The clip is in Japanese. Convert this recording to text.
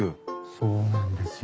そうなんですよ。